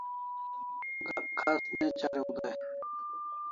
Gak khas ne chariu day